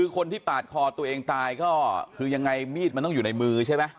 คนที่ปาดคอตัวเองตายก็มีดต้องอยู่ในมือใช่ไหม